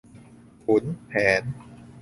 ขุนแผน